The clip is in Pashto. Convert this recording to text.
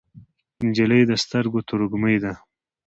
نجلۍ د سترګو تروږمۍ ده.